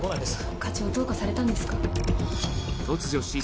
課長どうかされたんですか？